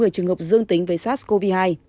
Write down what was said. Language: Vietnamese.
hai trăm một mươi trường hợp dương tính với sars cov hai